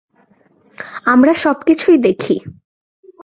আমরা সবকিছুই দেখি।